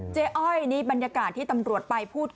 เจ๊ออยนี่บรรยากาศที่ตำรวจไป